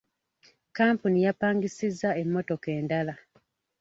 Kampuni yapangisizza emmotoka endala.